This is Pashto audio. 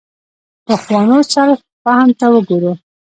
پخوانو سلف فهم ته وګورو.